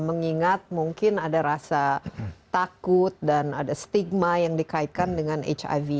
mengingat mungkin ada rasa takut dan ada stigma yang dikaitkan dengan hiv